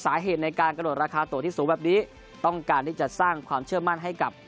สาเหตุในการกระโดดราคาตัวที่สูงแบบนี้ต้องการที่จะสร้างความเชื่อมั่นให้กับ